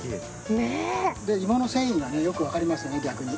芋の繊維がよく分かりますよね。